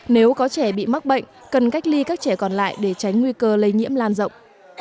nếu có trẻ bị mắc bệnh cần cách ly các trẻ còn lại để tránh nguy cơ lây nhiễm lan rộng